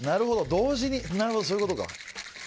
同時に、そういうことか。